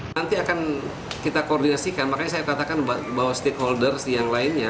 nanti akan kita koordinasikan makanya saya katakan bahwa stakeholder yang lainnya